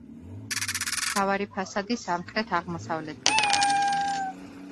მთავარი ფასადი სამხრეთ აღმოსავლეთითაა.